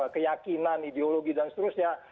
keyakinan ideologi dan seterusnya